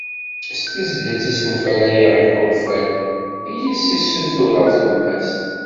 "S tezlit i d-senfalayeɣ iḥulfan, yis-s i ssutureɣ tumast."